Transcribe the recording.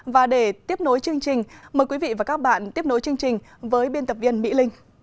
và để tiếp nối chương trình mời quý vị và các bạn tiếp nối chương trình với biên tập viên mỹ linh